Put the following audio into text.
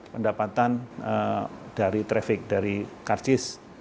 pendapatan dari traffic dari karcis